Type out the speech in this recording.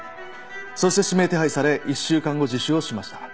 そして指名手配され１週間後自首をしました。